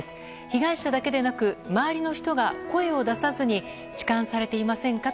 被害者だけでなく周りの人が声を出さずに痴漢されていませんか？